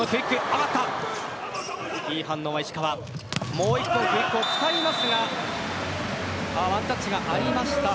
もう１本、クイックを使いますがワンタッチがありました。